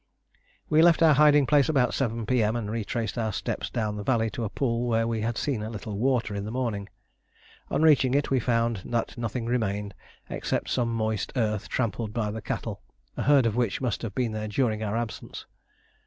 We left our hiding place about 7 P.M. and retraced our steps down the valley to a pool where we had seen a little water in the morning. On reaching it we found that nothing remained except some moist earth trampled by cattle, a herd of which must have been there during our absence.